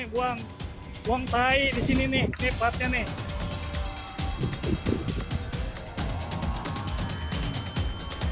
buang buang tai disini nih nih batnya nih